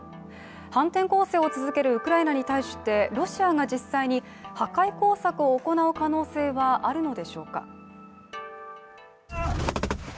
反転攻勢を続けるウクライナに対してロシアが実際に破壊工作を行う可能性はあるのでしょうか。